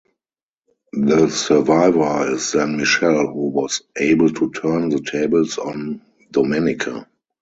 The survivor is then Michele who was able to turn the tables on Domenica.